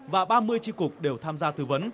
và ba mươi tri cục đều tham gia tư vấn